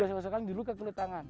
bisa masukkan dulu ke kulit tangan